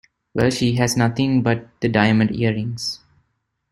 Well, she has nothing but the diamond earrings.